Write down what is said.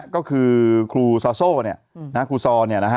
ก็คือครูซอโซ่เนี่ยนะฮะครูซอเนี่ยนะฮะ